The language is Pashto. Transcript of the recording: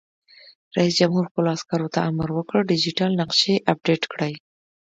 رئیس جمهور خپلو عسکرو ته امر وکړ؛ ډیجیټل نقشې اپډېټ کړئ!